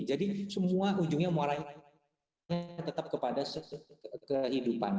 jadi semua ujungnya mau tetap kepada kehidupan